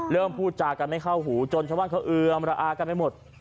เริ่มพูดจากกันไม่เข้าหูจนทั้งวันเขาเอือมระอากันไม่หมด